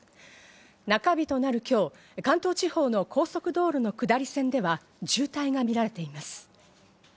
中日となる今日、関東地方の高速道路の下り線では、渋滞が見られています。